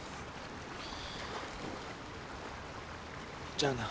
・じゃあな。